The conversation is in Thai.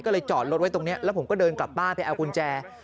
ก็เลยจอดรถไว้ตรงนี้แล้วผมก็เดินกลับบ้านไปเอากุญแจ